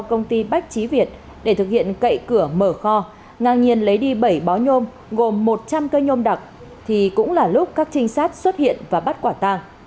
công ty bách trí việt để thực hiện cậy cửa mở kho ngang nhiên lấy đi bảy bó nhôm gồm một trăm linh cây nhôm đặc thì cũng là lúc các trinh sát xuất hiện và bắt quả tang